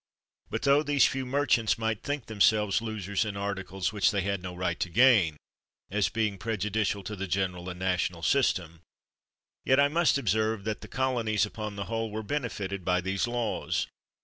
But tho these few merchants might think themselves losers in articles which they had no right to gain, as being prejudicial to the general and national system, yet I must observe that the colonies, upon the whole, were benefited by these laws.